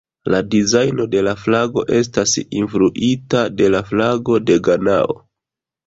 La dizajno de la flago estas influita de la flago de Ganao.